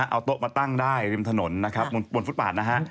เอาโต๊ะมาตั้งได้ริมถนนบนฟุตปากนะฮะ